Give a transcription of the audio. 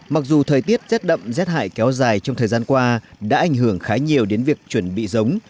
mặc dù thời tiết rét đậm rét hại kéo dài trong thời gian qua đã ảnh hưởng khá nhiều đến việc chuẩn bị giống